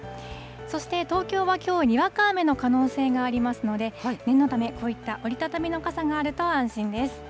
そして東京はきょう、にわか雨の可能性がありますので、念のため、こういった折り畳みの傘があると安心です。